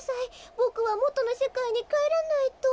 ボクはもとのせかいにかえらないと。